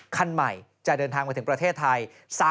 คันใหม่จะเดินทางมาถึงประเทศไทย